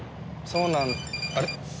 そうなんあれ？